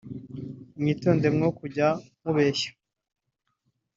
mwitonde mwo kujya mubeshya